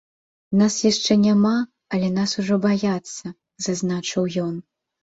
Нас яшчэ няма, але нас ужо баяцца, зазначыў ён.